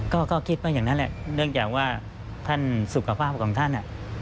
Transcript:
ก็คิดว่าอย่างนั้นแหละเนื่องจากว่าท่านสุขภาพของท่าน